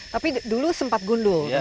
tapi dulu sempat gundul